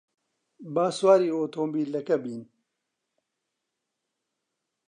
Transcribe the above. با سواری ئۆتۆمۆبیلەکە بین.